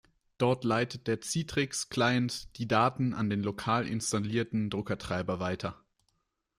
Dort leitet der Citrix-Client die Daten an den lokal installierten Druckertreiber weiter.